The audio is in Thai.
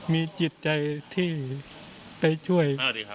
มีจิตใจที่ไปช่วย